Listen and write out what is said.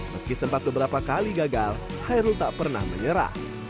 meski sempat beberapa kali gagal hairul tak pernah menyerah